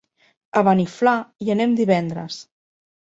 A Beniflà hi anem divendres.